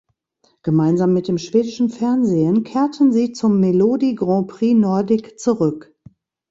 Gemeinsam mit dem schwedischen Fernsehen kehrten sie zum Melodi Grand Prix Nordic zurück.